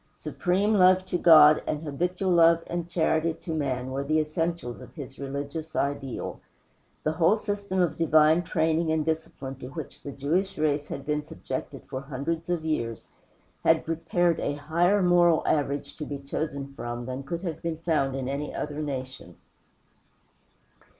Supreme love to God and habitual love and charity to man were the essentials of his religious ideal. The whole system of divine training and discipline to which the Jewish race had been subjected for hundreds of years had prepared a higher moral average to be chosen from than could have been found in any other nation.